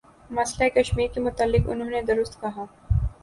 مسئلہ کشمیر کے متعلق انہوں نے درست کہا